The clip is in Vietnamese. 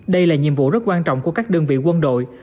đây là nhiệm vụ rất quan trọng của các đơn vị quân đội